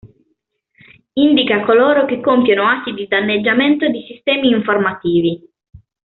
Indica coloro che compiono atti di danneggiamento di sistemi informativi.